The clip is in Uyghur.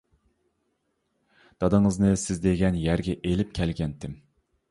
-دادىڭىزنى سىز دېگەن يەرگە ئېلىپ كەلگەنتىم.